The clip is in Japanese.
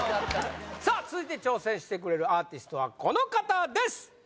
さっ続いて挑戦してくれるアーティストはこの方です！